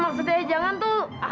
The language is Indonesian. maksudnya jangan tuh